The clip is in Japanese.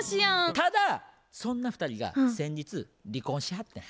ただそんな２人が先日離婚しはったんや。